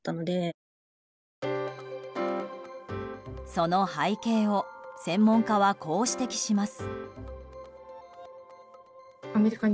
その背景を専門家はこう指摘します。